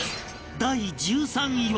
第１３位は